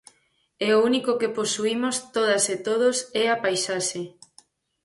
E o único que posuímos todas e todos é a paisaxe.